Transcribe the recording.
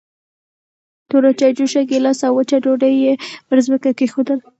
توره چايجوشه، ګيلاس او وچه ډوډۍ يې پر ځمکه کېښودل.